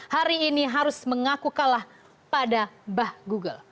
hari ini harus mengaku kalah pada bah google